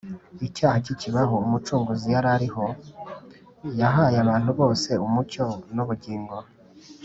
Icyaha kikibaho, Umucunguzi yari ariho. Yahaye abantu bose umucyo n’ubugingo